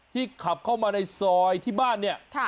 ขับเข้ามาในซอยที่บ้านเนี่ย